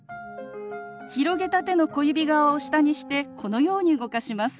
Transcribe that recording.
広げた手の小指側を下にしてこのように動かします。